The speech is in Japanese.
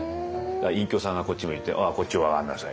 隠居さんがこっち向いて「ああこっちお上がんなさい」。